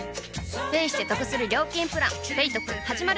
ペイしてトクする料金プラン「ペイトク」始まる！